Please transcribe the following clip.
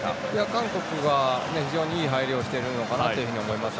韓国は非常にいい入りはしているのかなと思います。